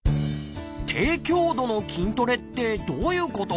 「低強度の筋トレ」ってどういうこと？